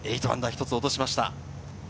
１つ落としました。